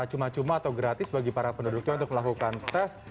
cuma cuma atau gratis bagi para penduduk itu untuk melakukan test